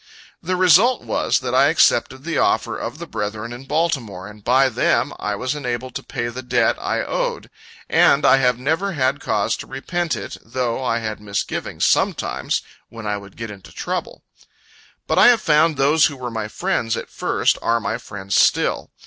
The result was, that I accepted the offer of the brethren in Baltimore; and by them I was enabled to pay the debt I owed; and I have never had cause to repent it though I had misgivings sometimes, when I would get into trouble. But I have found those who were my friends at first, are my friends still.